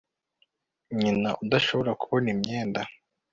nyina udashobora kubona imyenda